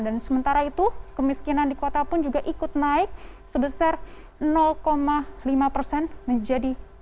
dan sementara itu kemiskinan di kota pun juga ikut naik sebesar lima persen menjadi tujuh delapan puluh delapan persen